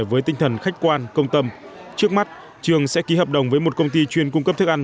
với tinh thần khách quan công tâm trước mắt trường sẽ ký hợp đồng với một công ty chuyên cung cấp thức ăn